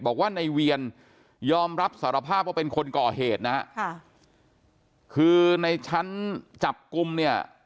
บอกว่าในเวียนยอมรับสารภาพว่าเป็นคนก่อเหตุนะฮะค่ะคือในชั้นจับกลุ่มเนี่ย